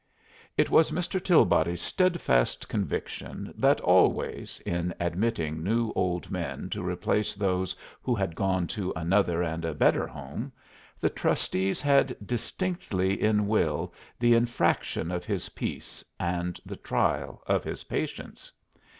It was Mr. Tilbody's steadfast conviction that always, in admitting new old men to replace those who had gone to another and a better Home, the trustees had distinctly in will the infraction of his peace, and the trial of his patience.